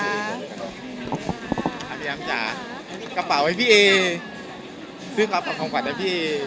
อันนี้อ้ามจ๋ากระเป๋าให้พี่เอซื้อกรับของของขวัดให้พี่เอ